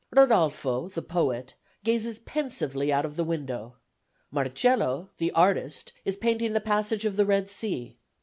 Rodolfo, the poet, gazes pensively out of the window, Marcello, the artist, is painting the passage of the Red Sea.